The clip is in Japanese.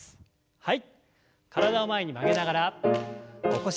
はい。